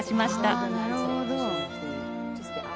なるほど！